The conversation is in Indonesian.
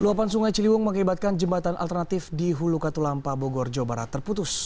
luapan sungai ciliwung mengakibatkan jembatan alternatif di hulu katulampa bogor jawa barat terputus